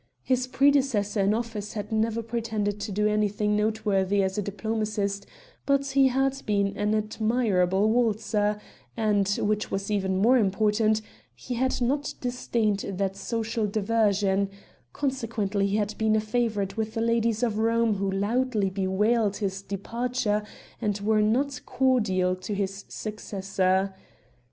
His predecessor in office had never pretended to do anything noteworthy as a diplomatist, but he had been an admirable waltzer, and which was even more important he had not disdained that social diversion; consequently he had been a favorite with the ladies of Rome who loudly bewailed his departure and were not cordial to his successor.